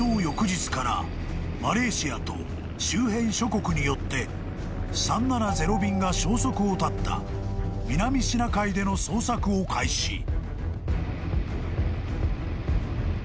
翌日からマレーシアと周辺諸国によって３７０便が消息を絶った南シナ海での捜索を開始］